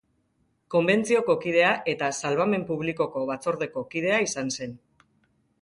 Konbentzioko kidea eta Salbamen Publikoko Batzordeko kidea izan zen.